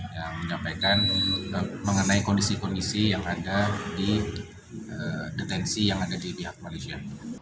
yang menyampaikan mengenai kondisi kondisi yang ada di detensi yang ada di pihak malaysia